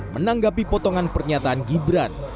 menanggapi potongan pernyataan gibran